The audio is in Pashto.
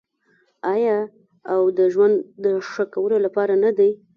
آیا او د ژوند د ښه کولو لپاره نه دی؟